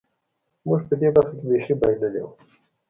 موږ په دې برخه کې بېخي بایللې وه.